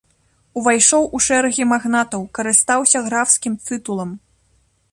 Увайшоў у шэрагі магнатаў, карыстаўся графскім тытулам.